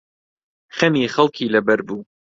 خەمی خەڵکی لەبەر بوو